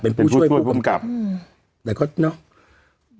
เป็นผู้ช่วยผู้กำกับ